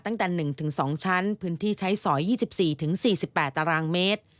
ตั้งแต่๑๒ชั้นพื้นที่ใช้สอย๒๔๔๘ตารางเมตร